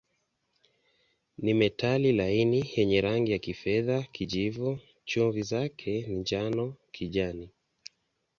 Ni metali laini yenye rangi ya kifedha-kijivu, chumvi zake ni njano-kijani.